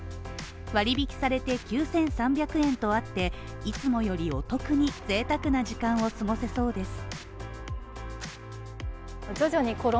割引されて９３００円とあって、いつもよりお得に贅沢な時間を過ごせそうです。